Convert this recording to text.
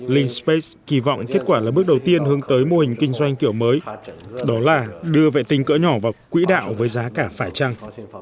linh space kỳ vọng kết quả là bước đầu tiên hướng tới mô hình kinh doanh kiểu mới đó là đưa vệ tinh cỡ nhỏ vào quỹ đạo với giá cả phải trăng